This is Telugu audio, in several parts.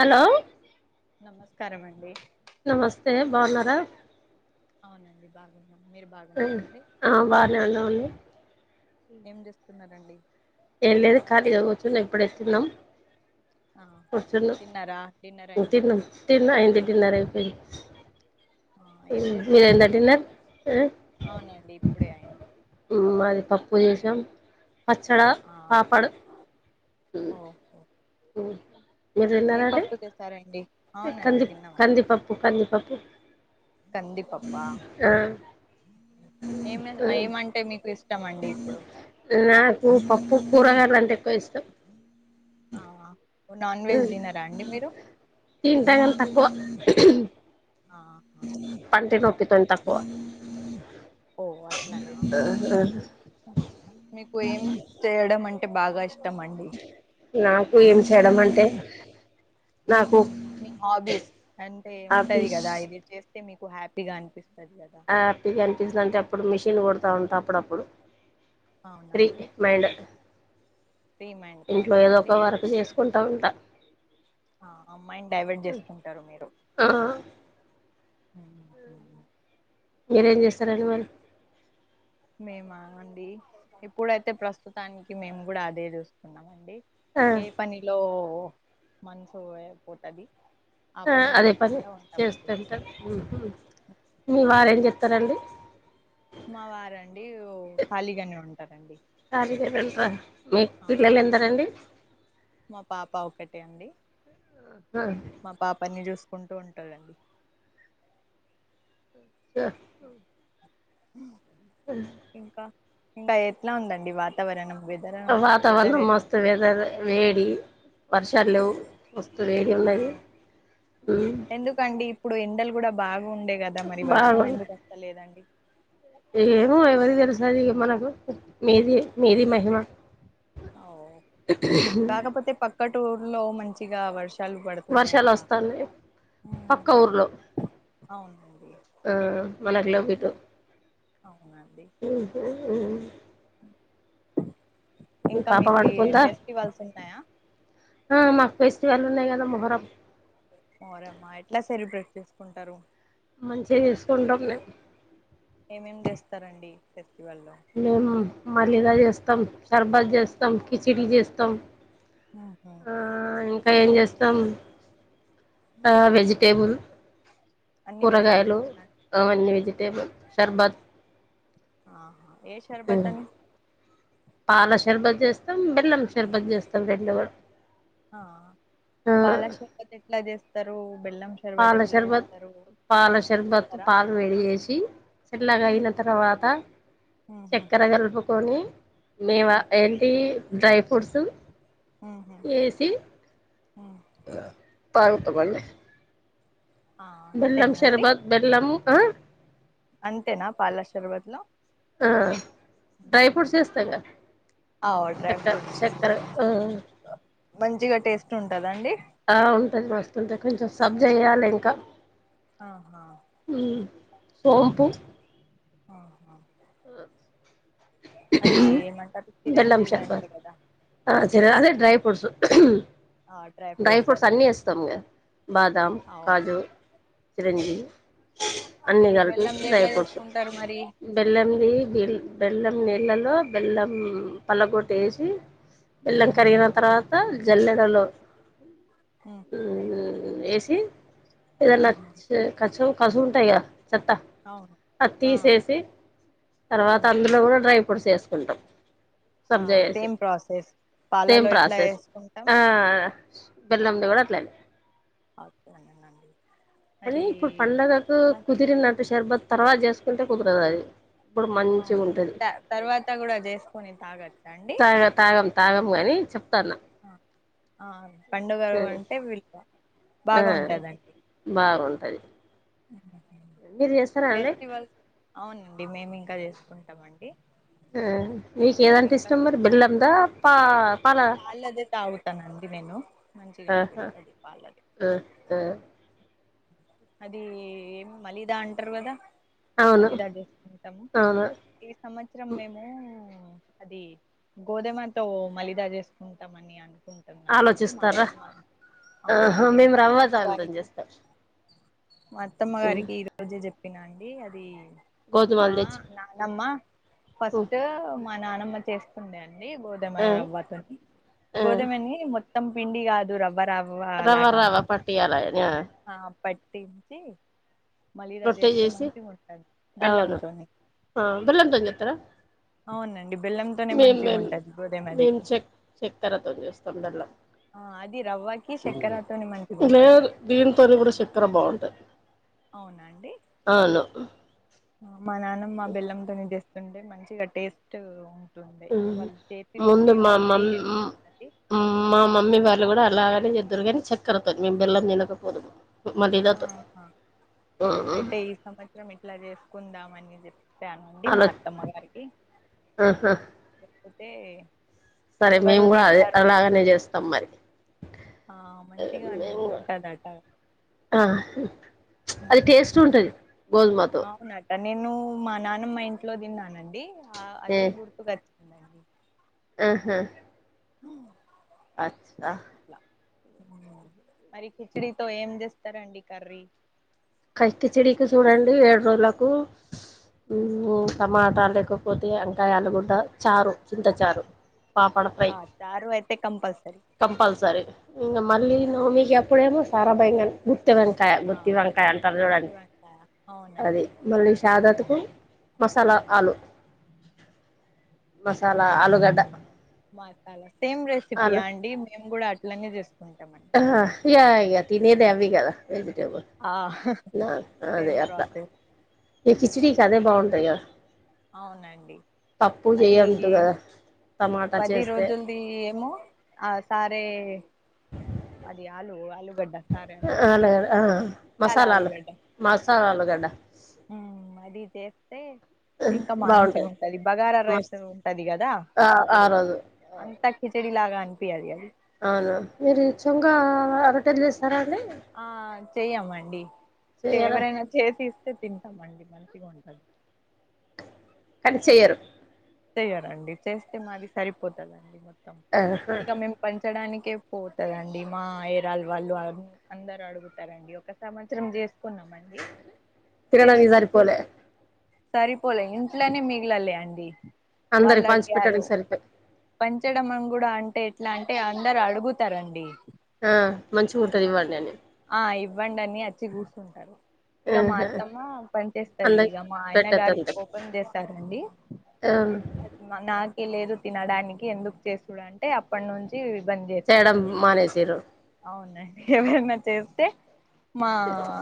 హలో నమస్కారమండి నమస్తే బాన్నారా అవునండి బాగున్నాం మీరు ఉండు బాగున్నారండి ఆ బానే ఉన్నాం అండి రండి ఏం లేదు ఖాళీగ కూర్చున్నా ఇప్పుడే తిన్నాం ఆ కూర్చున్నాం తిన్నర డిన్నరయిందా తిన్నాం తిన్న అయింది డిన్నర్ అయిపోయింది ఆ ఏం మ్ చేశారు మీదయింద మరి డిన్నర్ అవునండి ఇప్పుడే అయింది మ్ మది పప్పు చేసాం పచ్చడా ఆ పాపడు ఓహో మీరు ఏ తిన్నారండి పప్పు చేసారండి అవునండి కంది తిన్నాము కందిపప్పు కంది ఓకే కందిపప్ప ఏమ ఏమంటే మీకు ఇస్ నాకు పప్పు కూరగాయలు అంటే ఎక్కువ ఇష్టం ఆహా ఉ తింటగని తక్కువ ఆహా తన్ తక్కువ ఓ అట్లనా మీకు ఏం చేయడం అం టే బాగా ఇష్టం అండి నాకు ఏం చేయడం అంటే నాకు మీ హాబీస్ అంటే ఉంటది ఆఫీస్ కదా ఇది చేస్తే మీకు హ్యాపీగా అనిపిస్తుం హపీగంపిస్తాదాంటే అప్పుడు మిషిన్ కుడతా ఉంటా అప్పుడప్పుడు అవునా ఫీ అండి మైండ్ ఫ్రీ మైండ్ ఇంట్లో కోసమా ఏదో అండి ఒక వర్క్ చేసుకుంటా ఉంట ఆ అమ్మాైండ్ డైవర్ట్ చేసుకుంటారు మీరు [inaudible] ఆ మీరేం చేస్తారండి మళ్లీ మేమా అండి ఇప్పుడైతే ప్రస్తుతానికి మేము కూడా అదే చూస్తున్నామండి ఆ ఏ పనిలో మనసు పోతది ఆ అదే పని చేస్తుంటారు మీ వారు ఏం చే స్తారండి మా వారు అండి ఓ ఖాళీగానే ఉంటారండి ఆ మీక్ పిల్లలు అవునండి ఎందరండి ఓకే అండి మా పాపని చూస్ కుంటూ ఉంటాడండి దా ఇంకా ఇంకా ఎట్లా ఉందండి వాతావరణం వెదర్ వెదర్ వాతావరణం ఎట్లా మస్తు వెదర్ వేడి వర్షాలు లేవు మస్తు వేడి ఆ ఉన్నది ఉమ్ బాగుండే కదా మరి వర్షం బాగుంది ఎందుకు వస్తలేదండి ఏమో ఎవరి తెలుసది ఇగ మనకు మీది మీది మహిమ ఆవ్ కాకపోతే పక్క టుర్లో మంచిగా వర్ష వర్షాలు వస్తన్నాయి పక్క ఊర్లో అవునండి ఆ మనకు లేవు ఇటు అవునండి [unintelligible] మీ ఇంకా పాప మీకు ఈ పండుకుందా ఫెస్టివల్స్ ఉన్నాయా ఆ మా ఫెస్టివల్ ఉన్నాయి కదా మోహరం మోహరమా ఎట్లా సెలెబ్రేట్ చేసుకుంటారు మంచిగా చేసుకుంటాం మేము ఏమేమి చేస్తారండి ఫెస్టివల్లో మేము మలిదా చేస్తాం శర్బత్ చేస్తాం కిచిడి చేస్తాం ఆహు ఆ ఇంకా ఏం చేస్తాం ఆ వెజిటేబుల్ అన్ని కూరగాయలు వెజిటేబుల్స్ అవన్నీ వెజిటేబుల్ షర్బత్ ఆహా ఏ షర్బత్ హ్ అని పాలశర్బద్ చేస్తాం బెల్లం షర్బత్ చేస్తాం రెండు కూడా ఆ ఆ పాలషర్బత్ ఎట్లా చేస్తారు బెల్లం సర్భత్ పాల ఎట్లా షర్బత్ చేస్తారు పాల సర్భత్ చెప్తారా పాలు వేడి చేేసి చల్లగా అయిన తర్వాత ఉహు చక్కెర కలుపుకొని ఉ మేము ఏంటి డ్రై ఫ్రూట్స్ ఉహు ఏసి ఉ తగ్గుతమండి ఆ బెల్లం అంతేనా అండి సర్భత్ బెల్లం ఆ అంతేనా పాల షర్బత్ లో ఆ డ్రై ఉహు ఫ్రూట్స్ వేస్తంగా ఆ డ్రై చక్కర ఫ్రూట్స్ చక్కర యూ మంచిగా టేస్ట్ ఉంటదండి ఆ ఉంటది మస్తుంటాది కొంచెం సబజ్జా చేయాలి ఇంకా ఆహా సోపు ఆహా ఆ అది ఏమంటారు చిరంజీవి షర్బత్ అంటారు కదా ఆ అది చీర్ అదే వేస్తారా డ్రై ఫ్రూట్స్ డ్రై ఫ్రూట్స్ అన్ని వేస్తాం కదా బాదం ఓహో కాజు చిరంజీవి అన్ని ఇది కలిపి బెల్లంది డ్రై ఎట్లా ఫ్రూట్స్ చేసుకుంటారు మరి బ అది బెల్లం నీళ్ళలో బెల్లం పలగొట్టి వేసి బెల్లం ఉ కరిగిన తర్వాత జల్లెడలో హూ ఉహు హూ ఏసి ఏదనా ఉహు కసుం కసు ఉంటాయి కదా చెత్త అవును అది ఆ తీసేసి తర్వాత ఉహు అందులో కూడా డ్రై ఫ్రూట్స్ వేసుకుంటాం ఆ సబ్జేసి సేమ్ ప్రాసెస్ సేమ్ పాలలో ఎట్లా ప్రాసెస్ వేసుకుంటాం ఆ బెల్లంది కూడా అట్లానే అంతేనండి కానీ ఇప్పుడు పండగకు కుదిరినట్టు సర్బత్ తర్వాత చేసుకుంటే కుదరదు అది ఇప్పుడు మంచిగా అవునండి ఉంటది తర్వాత కూడా చేసుకుని తాగచ్చా అండి తాగముగాని చెప్తున్నా ఆ ఆ పండుగారు అంటే ఆ విలువ ఆ బాగా ఉంటుందండి బాగుంటది మీరు చేస్తారా అండి ఫెస్టివల్ అవునండి మేమి ఇంకా వేసుకుంటామండి ఆ మీకు ఏదంటే ఇష్టం మరి బెల్లందా పా పాల పాలదే తాగుతానండి నేను మంచిగా అనిపిస్తాది పాలదే ఉహు అది ఏం మలిదా అంటారు కదా అవును మలిదా జేసుకుంటాము అవును ఈ సంవత్సరం మేము అది గోధుమతో మలిదా చేసుకుంటాం అని ఆ ఆలోచిస్తారా ఆహా అవునండి మా మేము అత్తమ్మ రవ్వదాంతో గారికి చేస్తాం మా అత్తమ్మ గారికి ఈ రోజే చెప్పినా అది గోధుమలు మా తెచ్చి నానమ్మ ఫస్ట్ మా నానమ్మ చేస్తుండే అండి గోధమ ఆ రవ్వతోని ఆ గోధుమని మొత్తం పిండి కాదు రవ్వరా రవ్వ రవ్వ పట్టియాల ఆ పట్టించి మలిదా రొట్టె చేస్తే చేసి మంచిగా ఉంటది అవును బెల్లంతోని అ బెల్లం తోనే చేత్తరా అవునండి బెల్లంతోనే మేము మంచిగా మేం ఉంటది మేం గోధుమది చెక్ చెక్కరతోని చేస్తాం బెల్లం ఆ అది రవ్వకి చక్కెరతోని మంచిగా లే ఉంటది దీనితోని కూడా చక్కెర బావుంటాది. అవునా అండి అవును మా నానమ్మ బెల్లం తోని తెస్తుంటే మంచిగా టేస్ట్ ఉంటుండే ఉ వాళ్ళు చేతి ముందు రుచియో మా మరి మమ్ ఎట్లా అది మా మమ్మీ వాళ్ళు కూడా అలా అట్లనే చేద్దురు కాని చక్కెరతో మేం బెల్లం తినకపోదు. ఆహా అయితే ఈ సంవత్సరం ఇట్లా చేసుకుందామని చెప్ప చెప్పానండి మా అలా అత్తమ్మ గారికి ఆహా లేకపోతే సరే ఎవరు మేము కూడా అదే తింటారు అలాగనే చేస్తాం మరి ఆ మంచిగాన్ మేము కూడా ఉంటదట ఆ చ్ అది టేస్ట్ ఉంటది గోధుమతో అవునట నేను మా నానమ్మ ఇంట్లో తిన్నానండి ఆ ఏ అదే గుర్తుకు వచ్చిందండి ఆహా ఉ అచ్చా మరి కిచిడి తో ఏం చేస్తారండి కర్రీ? కచ్చి చెడికి చూడండి ఏడు రోజులకు మ్ టమాటాలు లేకపోతే ఆంకాయ ఆలుగడ్డ చారు చింత చారు పాపడ ఫ్రై ఆ చారు అయితే కంపల్సరి కంపల్సరీ ఇంకా మళ్ళీ నవమికి ఎప్పుడేమో సారా భయంగా గు గుత్తి వంకాయ ఆ గుత్తి వంకాయ అంటారు చూడండి గుత్తివంకాయ అది అవునండి మళ్ళీ షాదత్కు మసాలా ఆలు మసాలా ఆలుగడ్డ మాసాలా సేమ్ రెసిపీయా అండి మేము కూడా అట్లనే చేసుకు ఆహా ఇగ హాయిగా తినేది అవేగద వెజిటబుల్ ఆ ఇంగా అదే సేమ్ అట్లా ప్రాసెస్ మీ కిచడికి అదే బావుంటుంది. దయ అవునండి అది చేయొద్దు ఎ కదా టమాటా పది చేస్తే రోజులది ఏమో ఆ సారే అది ఆలు ఆలు అ అలాగదే ఆ చాలా మసాలాలు ఆలుగడ్డ మసాలాలు గడ్డ మరితే తే ఇంకా మంచిగా బాగుంటది ఉంటది. బగారా రైస్ మస్త్ ఉంటది కదా ఆ ఆ అప్పుడు రోజు అంత కీచడి లాగా అనిపియాది అవునా మీరు చంగా అ రొట్టేల్ చేస్ ఆ చెయ్యమండి చెయ్యరా తీవ్రంగా చేసి తే తింటామండి మంచి గా ఉంటది. కనిచేయరు చెయాలండి చేస్తే మాది సరిపోతదండి. మొత్తం ఆహా ఇక మేము పంచడానికి ఎం పోతారండి మా ఏరాల వాళ్ళు అందరు అడుగుతారండి ఒక సంవత్సరం చేస్త కున్నామండి తినడానికి తీసుకుంటే సరిపోలే సరిపోలే ఇంటిట్లోనే మిగిలలే అండి వాళ్ళు అందరికి పంచి అడిగారు పెట్టడానికి సరిపోయి పంచడమన్ కూడా అం టే ఎట్లా అంటే అందరు అడుగుతారండి ఆ మంచి ఉంటది ఇవ్వండి అన్ని ఇవ్వండన్ని అచ్చి కుర్చుంటారు ఇగ మా ఆహా అత్తమ్మ పని చేస్తది అందరికి ఇగ మా ఆయన్న గారు కోపం చేస్తారండి అవును అది నాకే లేదు తినడానికి ఎందుకు చేసుడు అంటే అప్పటి నుంచి బంద్ చేయడం చేసుకున్నాం మానేసిరు ఎవరన్నా చేస్తే మా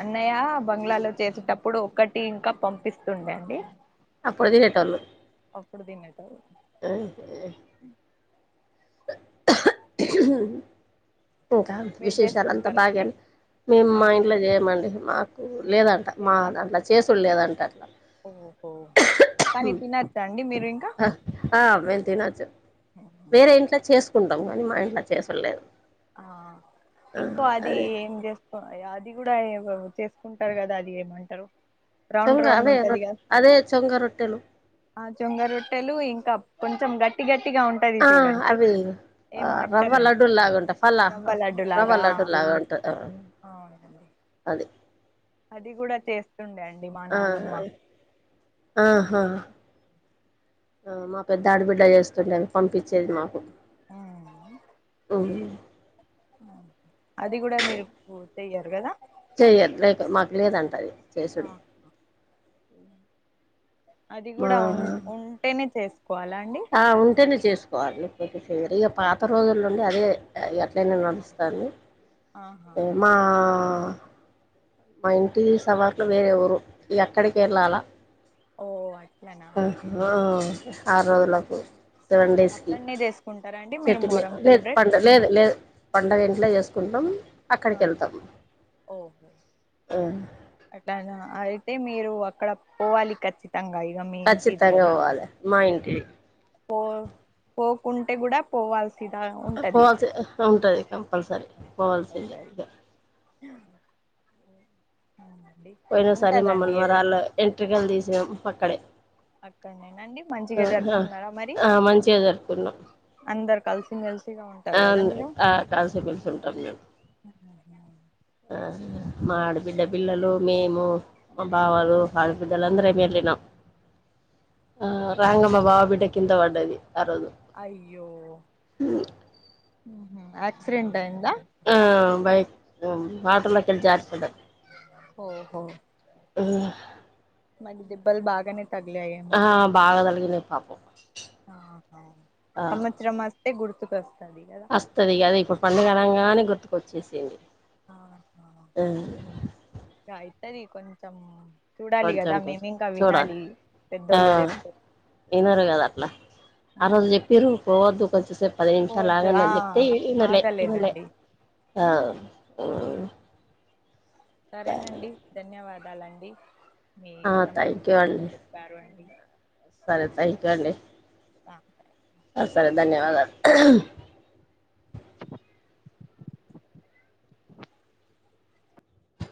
అన్నయ్య బంగ్లాలో చేసేటప్పుడు ఒక్కటి ఇంకా పంపిస్తుండే అండి అప్పుడు తినేటోలు అప్పుడు తిన్న ఆ ఇంకా మీరు విశేషాలు అంతా చేసుకుంటారా అండి బాగేనా మేము మా ఇంట్లో అవునండి చేయమండి మాకు లేదంట లేదా మాదంట్లో చేసుడు లేదంట అట్లా ఓహో కానీ తినచ్చా అండి మీరు ఇంకా ఆ తినచ్చు వేరే ఇంట్లో చేసుకుంటాం కానీ మా ఇంట్లో చేసుడు లేదు ఆ ఇంకో అది ఏం చేసుకో అది కూడా ఎదో చేసుకుంటారు కదా అది ఏమంటారు రౌండ్ చొంగ రౌండ్ అవే ఉంటది రొట్టె కదా అదే చొంగ రొట్టెలు ఆ జొంగ రొట్టెలు ఇంకా కొంచెం గట్టి గట్టి ఆ అవి ఏమో రవ్వ అంటారండి లడ్డూల్ లాగాంట పళ్ల రవ్వ లడ్డు లాగా రవ్వ లడ్డు లాగా ఉంటది అవునండి అది అది కూడా చేస్త ఆహా ఆహా ఆ మా పెద్ద ఆడబిడ్డ చేస్తుండేవి పంపించేది మాకు ఆ [inaudible] అది కూడా మీరు పూ చేయ్యరు కదా చెయ్యదు లైదు మాకు లేదంటది ఆహ అది మా కూడా ఉ ఉంటేనే చేస్త ఆ ఉంటేనే చేసుకోవాలి లేకపోతే ఇక పాత రోజుల నుండి అదే ఎట్లయినా నడుస్తాను ఆహా [unintelligible] మా మా ఇంటి సవాట్లో వేరే ఊరు ఎక్కడికి వెళ్ళాలా ఓ అట్లనా ఆహా ఆరు రోజులకు సెవెన్ డేస్కి అక్కడనే చేసుకుంటారా అండి మీరు చెట్టుని మొహరం లేదు సెలబ్రేట్ పండ లేదు లేదు పండగ ఇంట్లో చేసుకుంటాం ఆ అక్కడికి వెళ్తాం ఓహో ఆ అట్లయిన అయితే మీరు అక్కడ పోవాలి ఖచ్చిత ఖచ్చితంగా పోవ్వాలి మా ఇంటి పో పోకుంటే కూడా పోవాల్సి పోవాల్సి ఉంటది కంపల్సరీ పోవాల్సింది కంపల్సరీ అవునండి పోయిన సారి ఉంటదండి మమ్మని ఎవరు వరాళ్ళ ఎంట్రికలు తీసినాము అక్కడే అక్కడనేేనండి మంచిగా జరుపుకున్నారా మరి ఆ మంచిగా జరుపుకున్నాం అందరు కలిసి [unintelligible] ఆ కలిసి మెలిసి వుంటాం మేము మా ఆడబిడ్డ పిల్లలు మేము మా ఆ బావాలు ఆడబిడ్డలు అందరం వెళ్ళినం ఆ రాంగనే ఆ మా బావ బిడ్డ కింద పడ్డది ఆ రోజు అయ్యో ఆహా అ సిడెంట్ అయిందా వాటర్ల కేళి జారి పడ్డది ఓహో అవును అంటే దెబ్బల్ బాగానే ఆ తగిలాయేమో బాగ తలిగినయి పాపం ఆహా ఆ సంవత్సరం అస్తే గుర్తుకొస్తయి వస్తది అదే ఇప్పుడు పండుగ అనంగానే గుర్తుకొచ్చేసింది ఆ ఇగ అయితది కొంచం కొంచెం కొంచెం చూడాలి ఆ పెద్దోళ్ళు చెప్తే ఇనరు కదా అట్లా ఆ రోజు చెప్పిర్రు పోవద్దు కొద్దిసేపు పది నిమిషాలు పోవద్దు ఆగండి ఆ అని చెప్తే వినలే విన్లే ఆగలేదండి సరేనండి ధన్యవాదాలండి మీ ఆ సమయం థ్యాంక్ యూ మాకు అండి చెప్పారు అ డి సరే థ్యాంక్యూ అండి ఆ ఆ సరే ధన్యవాదాలు